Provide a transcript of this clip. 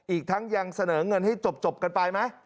อีกทั้งยังเสนอเงินให้จบกันไปไหม